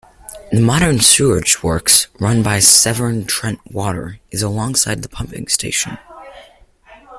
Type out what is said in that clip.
The modern sewage works, run by Severn Trent Water, is alongside the pumping station.